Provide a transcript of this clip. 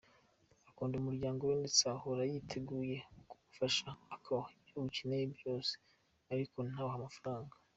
Akunda umuryango we ndetse ahora yiteguye kuwufasha, akawuha ibyo ukeneye byose ariko ntawuhe amafaranga.